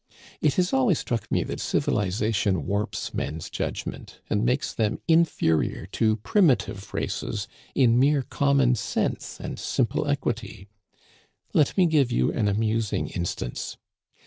"It has always struck me that civilization warps men's judgment, and makes them inferior to primitive races in mere common sense and simple equity. Let me give you an amusing instance.